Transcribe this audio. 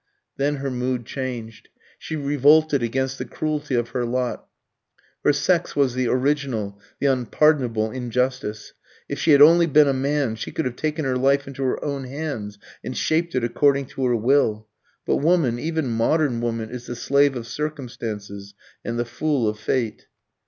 Then her mood changed. She revolted against the cruelty of her lot. Her sex was the original, the unpardonable injustice. If she had only been a man, she could have taken her life into her own hands, and shaped it according to her will. But woman, even modern woman, is the slave of circumstances and the fool of fate.